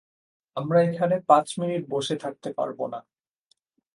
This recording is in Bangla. আমরা এখানে পাঁচ মিনিট বসে থাকতে পারবো না।